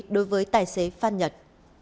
đối với tài xế phan nhật